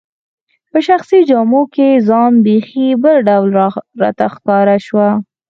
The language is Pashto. په شخصي جامو کي ځان بیخي بل ډول راته ښکاره شو.